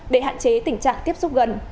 để hạn chế tình trạng tiếp xúc gần